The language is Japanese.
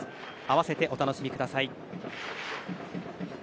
併せてお楽しみください。